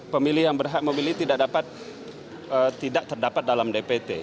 pemilih yang berhak memilih tidak terdapat dalam dpt